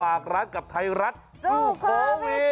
ฝากรักกับใครรักสู่โควิด